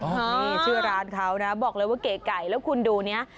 นี่ชื่อร้านเขานะบอกเลยว่าเก๋ไก่แล้วคุณดูเนี่ย